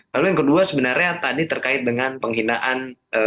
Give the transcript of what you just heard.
lalu yang kedua sebenarnya tadi terkait dengan penghinaan